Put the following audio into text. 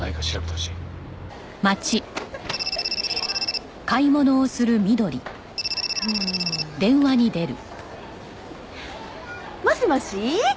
もしもし？